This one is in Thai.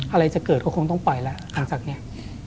อะไรจะเกิดก็คงต้องปล่อยแล้วหลังจากนี้